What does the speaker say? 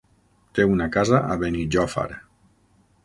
Té una casa a Benijòfar.